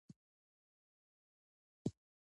تنبلي او نه لېوالتیا د خوبونو د رښتیا کېدو مخه نیسي